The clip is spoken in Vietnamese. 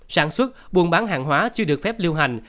sản xuất buôn bán hàng hóa chưa được phép lưu hành